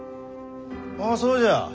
ああそうじゃ。